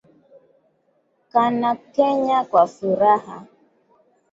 Kana Kenya kwa furaha